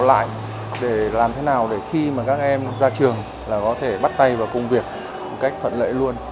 đi lại để làm thế nào để khi mà các em ra trường là có thể bắt tay vào công việc một cách thuận lợi luôn